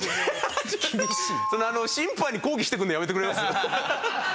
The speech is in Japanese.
審判に抗議してくるのやめてくれます？